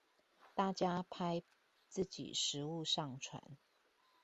大家拍自己食物上傳